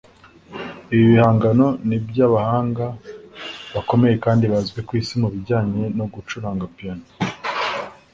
Ibi bihangano ni iby’abahanga bakomeye kandi bazwi ku isi mu bijyanye no gucuranga piano